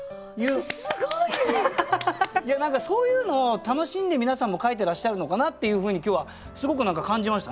すごい！何かそういうのを楽しんで皆さんも書いてらっしゃるのかなっていうふうに今日はすごく何か感じましたね。